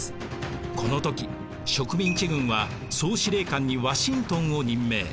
この時植民地軍は総司令官にワシントンを任命。